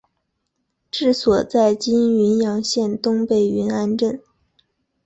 治所在今云阳县东北云安镇。